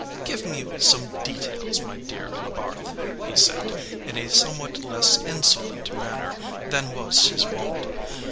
"Give me some details, my dear Labarthe," he said, in a somewhat less insolent manner than was his wont.